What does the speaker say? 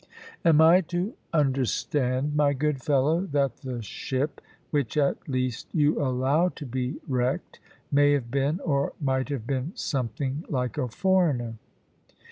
"Am I to understand, my good fellow, that the ship, which at least you allow to be wrecked, may have been or might have been something like a foreigner?"